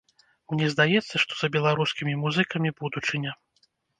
Мне здаецца, што за беларускімі музыкамі будучыня.